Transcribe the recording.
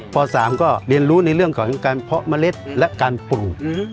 ป๓ก็เรียนรู้ในเรื่องของการเพาะเมล็ดและการปลูก